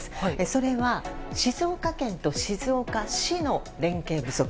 それは静岡県と静岡市の連携不足。